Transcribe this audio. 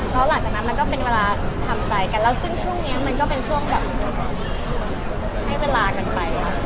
แล้วหลังจากนั้นมันก็เป็นเวลาทำใจกันแล้วซึ่งช่วงนี้มันก็เป็นช่วงแบบให้เวลากันไป